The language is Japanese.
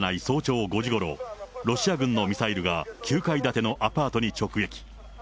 早朝５時ごろ、ロシア軍のミサイルが９階建てのアパートに直撃。